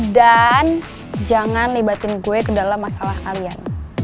dan jangan libatin gue ke dalam masalah kalian